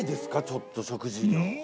ちょっと食事量。